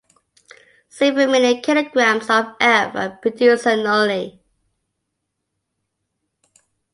Several million kilograms of F are produced annually.